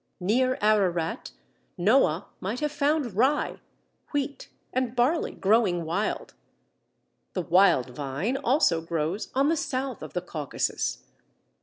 Near Ararat, Noah might have found rye, wheat, and barley growing wild. The Wild Vine also grows on the south of the Caucasus.